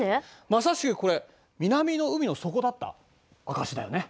まさしくこれ南の海の底だった証しだよね。